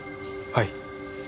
はい。